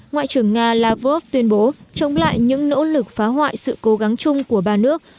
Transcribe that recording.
ngoại trưởng nga lavrov tuyên bố chống lại những nỗ lực phá hoại sự cố gắng chung của ba nước